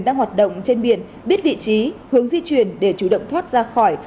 đang hoạt động trên biển biết vị trí hướng di chuyển để chủ động thoát ra khỏi